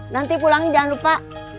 nanti pulangnya jangan lupa